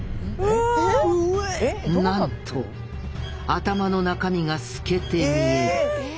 なんと頭の中身が透けて見える。